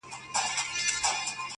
يوه ورځ نوبت په خپله د سلطان سو،